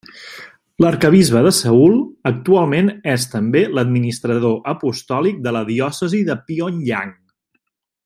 L'arquebisbe de Seül actualment és també l'administrador apostòlic de la diòcesi de Pyongyang.